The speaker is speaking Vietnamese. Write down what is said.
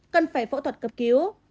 cần phải phẫu thuật cấp cứu